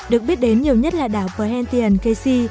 được biết đến nhiều nhất là đảo perhentian kesi